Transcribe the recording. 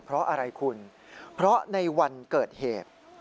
เพราะอะไรคุณเพราะในวันเกิดเหตุ